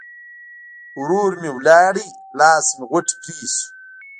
ورور م ولاړ؛ لاس مې غوټ پرې شو.